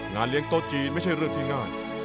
เลี้ยงโต๊ะจีนไม่ใช่เรื่องที่ง่าย